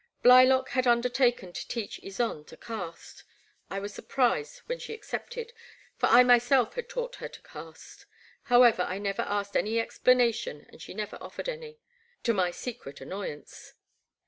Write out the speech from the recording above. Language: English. Blylock had under taken to teach Ysonde to cast. I was surprised when she accepted, for I myself had taught her to cast. However I never asked any explanation and she never offered any — to my secret annoy ance.